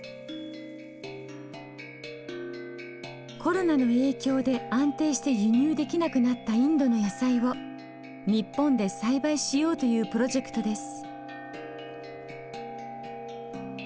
コロナの影響で安定して輸入できなくなったインドの野菜を日本で栽培しようというプロジェクトです。